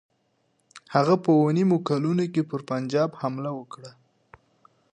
هغه په اووه نیم نه کلونو کې پر پنجاب حمله وکړه.